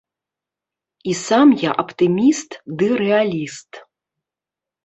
І сам я аптыміст ды рэаліст.